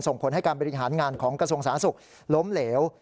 ส่งผลให้การบริหารงานของกระทรวงสาธารณสุขล้มเหลว